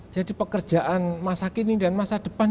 jadi pekerjaan masa kini dan masa depan